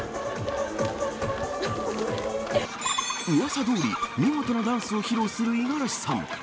うわさどおり、見事なダンスを披露する五十嵐さん。